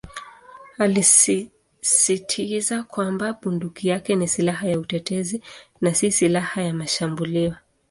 Alisisitiza kwamba bunduki yake ni "silaha ya utetezi" na "si silaha ya mashambulio".